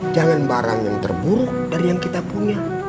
jangan barang yang terburuk dari yang kita punya